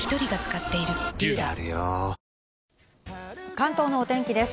関東のお天気です。